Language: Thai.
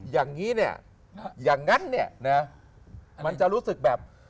อย่างนี้เนี่ยอย่างนั้นเนี่ยนะมันจะรู้สึกแบบ